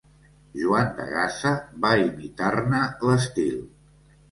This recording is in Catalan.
Joan de Gaza va imitar-ne l'estil.